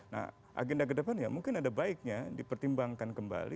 nah agenda kedepannya mungkin ada baiknya dipertimbangkan kembali